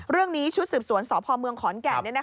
เรื่องนี้ชุดสืบสวนสพขอร์นแก่น